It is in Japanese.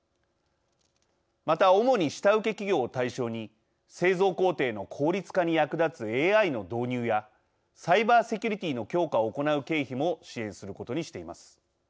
また主に下請け企業を対象に製造工程の効率化に役立つＡＩの導入やサイバーセキュリティーの強化を行う経費も支援することにしています。